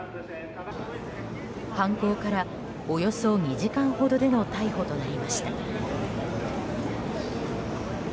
犯行からおよそ２時間ほどでの逮捕となりました。